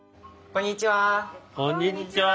こんにちは。